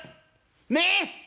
ねえ！